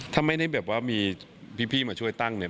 ถ้าไม่ได้แบบว่ามีพี่มาช่วยตั้งเนี่ย